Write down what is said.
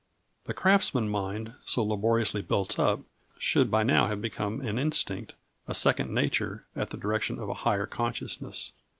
The craftsman mind, so laboriously built up, should by now have become an instinct, a second nature, at the direction of a higher consciousness.